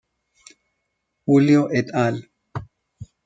Julio et al.